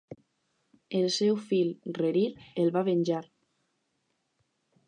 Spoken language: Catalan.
El seu fill, Rerir, el va venjar.